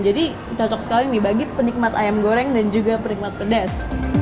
jadi cocok sekali dibagi penikmat ayam goreng dan juga penikmat pedas